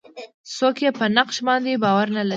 څوک یې په نقش باندې باور نه لري.